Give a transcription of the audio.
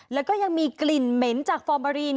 แล้วก็ยังมีกลิ่นเหม็นจากฟอร์มารีน